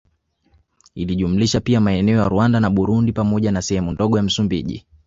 Ilijumlisha pia maeneo ya Rwanda na Burundi pamoja na sehemu ndogo ya Msumbiji